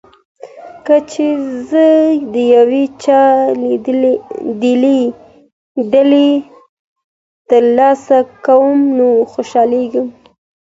کله چې زه د یو چا ډالۍ ترلاسه کوم نو خوشالېږم.